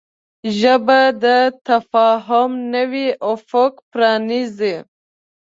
ژبه د تفاهم نوی افق پرانیزي